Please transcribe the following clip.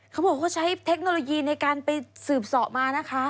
เขาบอกเขาใช้เทคโนโลยีในการไปสืบสอบมานะคะ